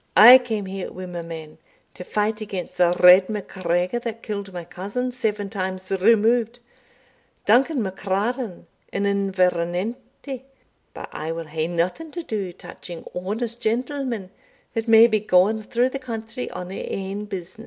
"I came here wi' my men to fight against the red MacGregor that killed my cousin, seven times removed, Duncan MacLaren, in Invernenty;* but I will hae nothing to do touching honest gentlemen that may be gaun through the country on their ain business."